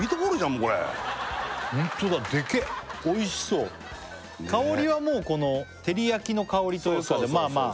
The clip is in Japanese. もうこれホントだでけえおいしそうねぇ香りはもうこの照り焼きの香りというかでまあまあ